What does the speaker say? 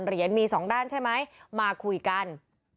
เหรียญมีสองด้านใช่ไหมมาคุยกัน